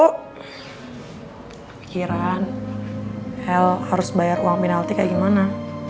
pikiran hel harus bayar uang penalti kayak gimana